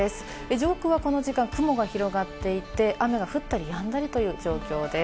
上空はこの時間、雲が広がっていて、雨が降ったりやんだりという状況です。